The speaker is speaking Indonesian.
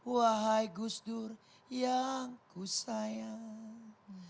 wahai gus dur yang ku sayang